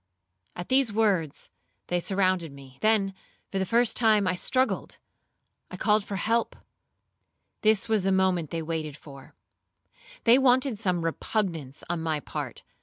At these words, they surrounded me; then, for the first time, I struggled,—I called for help;—this was the moment they waited for; they wanted some repugnance on my part.